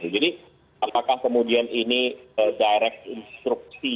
jadi apakah kemudian ini direct instruksi